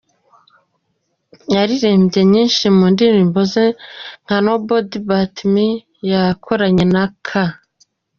Yaririmbye nyinshi mu ndirimbo ze nka ‘Nobody But Me’ yakoranye na K.